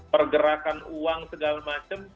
pergerakan uang segala macam